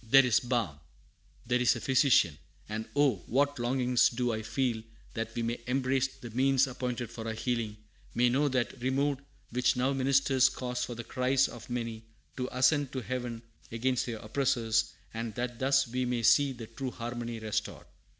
"There is balm; there is a physician! and oh what longings do I feel that we may embrace the means appointed for our healing; may know that removed which now ministers cause for the cries of many to ascend to Heaven against their oppressors; and that thus we may see the true harmony restored!